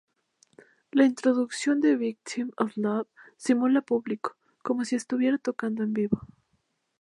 La introducción de Victim of Love simula público, como si estuviera tocada en vivo.